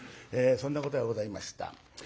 そんなことがございました。